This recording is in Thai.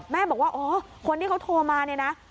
แม่บอกว่าคนที่เขาโทรมา